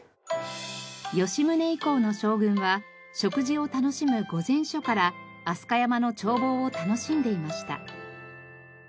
吉宗以降の将軍は食事を楽しむ御膳所から飛鳥山の眺望を楽しんでいました。